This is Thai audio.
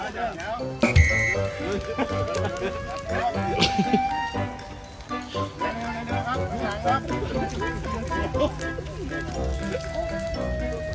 ได้เลยกับ